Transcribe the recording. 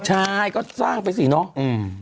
ใช่ก็สร้างไปสิเนาะ